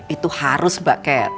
itu harus mbak kat